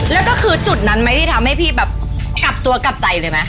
แล้วก็คือจุดนั้นไหมที่ทำให้พี่แบบกลับตัวกลับใจเลยไหม